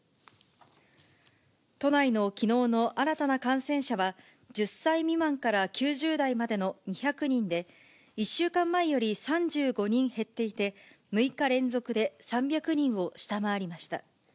都内のきのうの新たな感染者は、１０歳未満から９０代までの２００人で、１週間前より３５人減っていて、６日連続で３００人を下回りました。